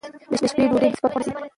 د شپې ډوډۍ باید سپکه وخوړل شي.